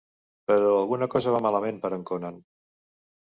Però alguna cosa va malament per a en Conan.